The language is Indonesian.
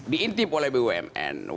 diintip oleh bumn